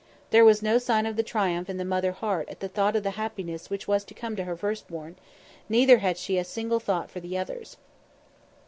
There was no sign of the triumph in the mother heart at the thought of the happiness which was to come to her first born; neither had she a single thought for the others.